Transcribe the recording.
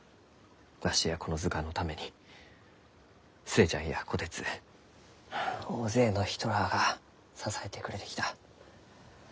わしやこの図鑑のために寿恵ちゃんや虎鉄はあ大勢の人らあが支えてくれてきた。